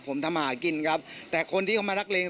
ผมทำหากินครับแต่คนที่เขามานักเลง